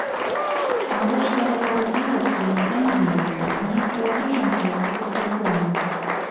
Навошта гэта рабілася, я не ведаю, нейкая выжымка з двух альбомаў.